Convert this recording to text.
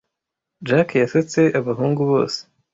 Jack yasetse abahungu bose.